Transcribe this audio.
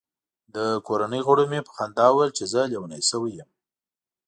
د کورنۍ غړو مې په خندا ویل چې زه لیونی شوی یم.